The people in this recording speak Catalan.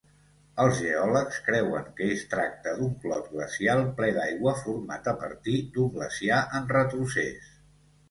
Els geòlegs creuen que es tracta d'un clot glacial ple d'aigua format a partir d'un glaciar en retrocés.